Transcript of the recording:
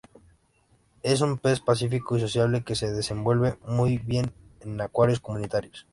Es un pez pacífico y sociable que se desenvuelve muy bien en acuarios comunitarios.